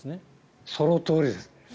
そのとおりです。